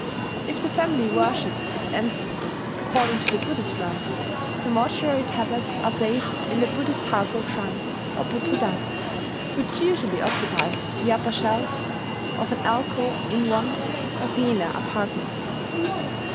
... If the family worships its ancestors according to the Buddhist rite, the mortuary tablets are placed in the Buddhist household shrine, or Butsudan, which usually occupies the upper shelf of an alcove in one of the inner apartments.